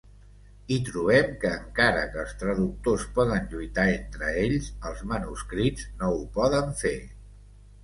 I trobem que encara que els traductors poden lluitar entre ells, els manuscrits no ho poden fer.